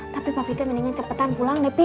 tapi papi teh mendingin cepetan pulang deh pi